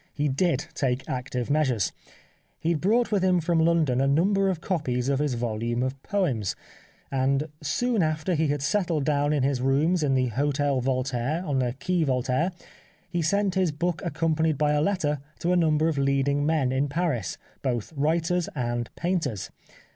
He did take active measures. He had brought with him from London a number of copies of his volume of " Poems/' and soon after he had settled down in his rooms in the Hotel Voltaire on the Quai Voltaire he sent his book accompanied by a letter to a number of leading men in Paris, both writers and painters.